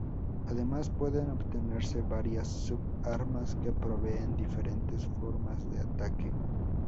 Además, pueden obtenerse varias sub-armas que proveen diferentes formas de ataque.